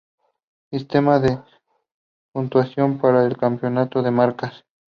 Sistema de puntuación para el campeonato de marcas.